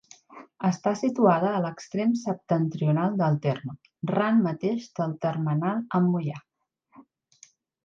Està situada a l'extrem septentrional del terme, ran mateix del termenal amb Moià.